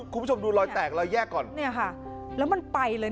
คุณผู้ชมดูรอยแตกรอยแยกก่อนเนี่ยค่ะแล้วมันไปเลย